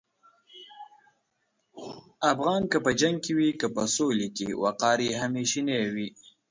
افغان که په جنګ کې وي که په سولې کې، وقار یې همیشنی وي.